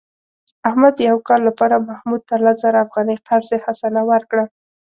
احمد د یو کال لپاره محمود ته لس زره افغانۍ قرض حسنه ورکړه.